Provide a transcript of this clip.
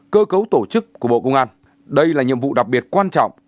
cơ cấu tổ chức của bộ công an đây là nhiệm vụ đặc biệt quan trọng